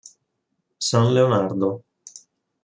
San Leonardo